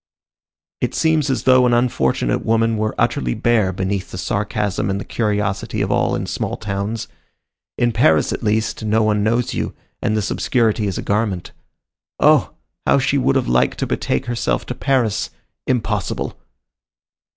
It seems as though an unfortunate woman were utterly bare beneath the sarcasm and the curiosity of all in small towns. In Paris, at least, no one knows you, and this obscurity is a garment. Oh! how she would have liked to betake herself to Paris! Impossible!